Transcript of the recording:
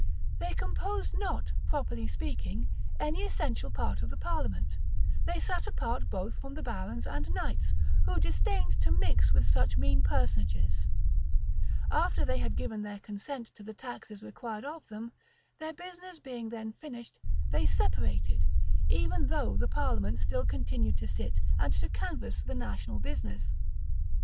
[] They composed not, properly speaking, any essential part of the parliament: they sat apart both from the barons and knights,[] who disdained to mix with such mean personages: after they had given their consent to the taxes required of them, their business being then finished, they separated, even though the parliament still continued to sit, and to canvass the national business.